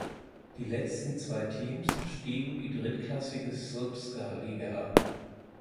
Die letzten zwei Teams stiegen die drittklassige Srpska Liga ab.